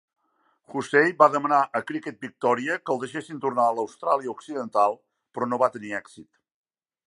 Hussey va demanar a Cricket Victoria que el deixessin tornar a l'Austràlia occidental, però no va tenir èxit.